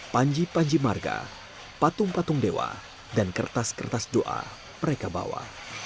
panji panji marga patung patung dewa dan kertas kertas doa mereka bawa